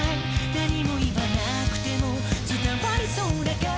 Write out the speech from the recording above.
「何も言わなくても伝わりそうだから」